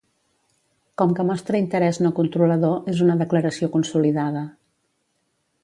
Com que mostra interès no controlador, és una declaració consolidada.